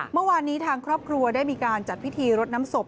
เมื่อวานนี้ทางครอบครัวได้มีการจัดพิธีรดน้ำศพ